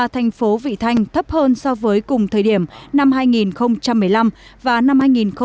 ba thành phố vị thanh thấp hơn so với cùng thời điểm năm hai nghìn một mươi năm và năm hai nghìn một mươi bảy